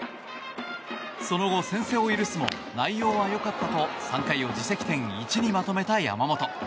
その後、先制を許すも内容はよかったと３回を自責点１にまとめた山本。